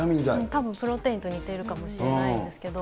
たぶん、プロテインと似てるかもしれないですけど。